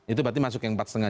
itu berarti masuk yang empat lima